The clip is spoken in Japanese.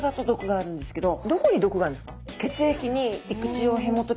どこに毒があるんですか？